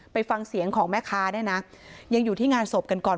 ไปฟังเสียงของแม่ค้าเนี่ยนะยังอยู่ที่งานศพกันก่อน